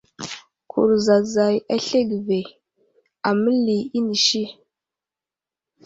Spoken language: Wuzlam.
Kurzazay aslege ve ,aməli inisi.